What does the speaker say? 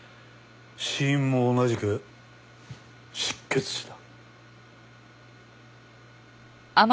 死因も同じく失血死だ。